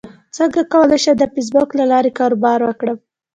څنګه کولی شم د فېسبوک له لارې کاروبار وکړم